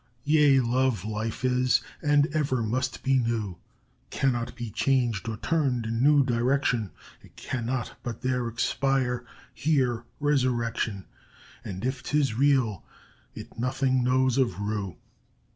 Yea, Love life is, and ever must be new, Cannot be changed or turned in new direction; It cannot but there expire here resurrection; And, if 'tis real, it nothing knows of rue!